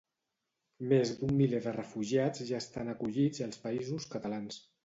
Més d'un miler de refugiats ja estan acollits als Països Catalans.